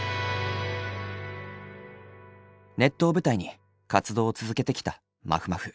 ネットを舞台に活動を続けてきたまふまふ。